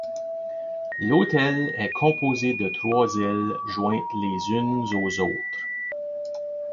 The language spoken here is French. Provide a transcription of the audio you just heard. L'hôtel est composé de trois ailes jointes les unes aux autres.